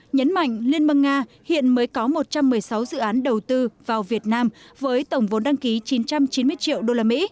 nhấn mạnh liên bang nga hiện mới có một trăm một mươi sáu dự án đầu tư vào việt nam với tổng vốn đăng ký chín trăm chín mươi triệu usd